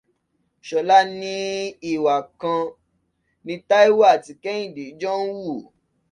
Ṣọlá ní ìwà kan náà ni Táíwò àti Kẹ́hìndé jọ ń wù.